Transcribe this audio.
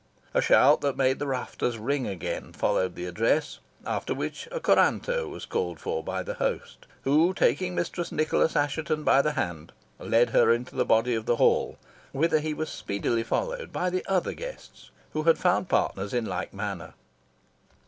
A shout that made the rafters ring again followed the address, after which a couranto was called for by the host, who, taking Mistress Nicholas Assheton by the hand, led her into the body of the hall, whither he was speedily followed by the other guests, who had found partners in like manner.